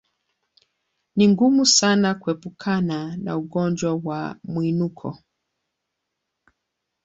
Ni ngumu sana kuepukana na ugonjwa wa mwinuko